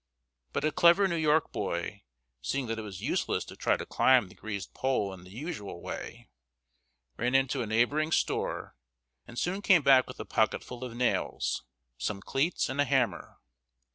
But a clever New York boy, seeing that it was useless to try to climb the greased pole in the usual way, ran into a neighboring store, and soon came back with a pocket full of nails, some cleats, and a hammer.